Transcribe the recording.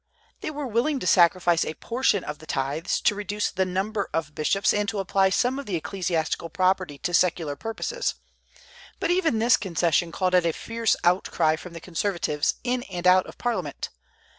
They were willing to sacrifice a portion of the tithes, to reduce the number of bishops, and to apply some of the ecclesiastical property to secular purposes. But even this concession called out a fierce outcry from the conservatives, in and out of Parliament.